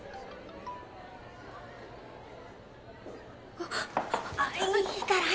・あっいいから早く！